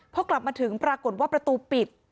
พอกลับมาถึงปรากฏว่าประตูปิด